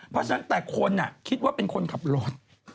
เพราะฉะนั้นแต่คนคิดว่าเป็นคนขับรถ